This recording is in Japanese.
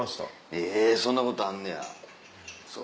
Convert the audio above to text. へぇそんなことあんねや。